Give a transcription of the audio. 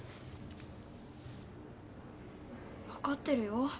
分かってるよ